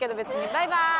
バイバーイ！